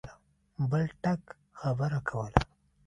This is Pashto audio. بل ټک خبره کوله.